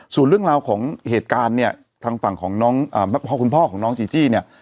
ส่วนเรื่องราวของเหตุการณ์เนี่ยทางฝั่งของน้องคุณพ่อของน้องจีจี้เนี่ย